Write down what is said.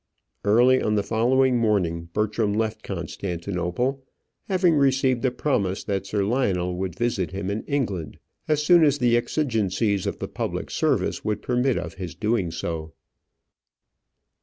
Early on the following morning, Bertram left Constantinople, having received a promise that Sir Lionel would visit him in England as soon as the exigencies of the public service would permit of his doing so.